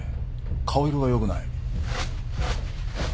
顔色がよくない。